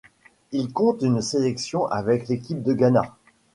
Il compte une sélection avec l'équipe de Ghana.